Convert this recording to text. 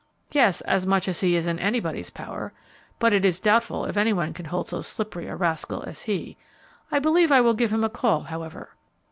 "Yes, as much as he is in anybody's power; but it is doubtful if any one can hold so slippery a rascal as he. I believe I will give him a call, however."